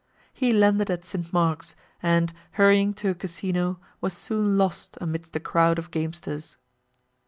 He landed at St. Mark's, and, hurrying to a Casino, was soon lost amidst a crowd of gamesters.